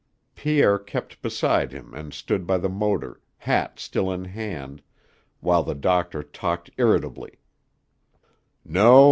Pierre kept beside him and stood by the motor, hat still in his hand, while the doctor talked irritably: "No.